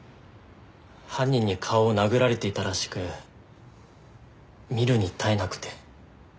犯人に顔を殴られていたらしく見るに堪えなくて。